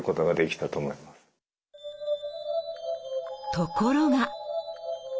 ところが。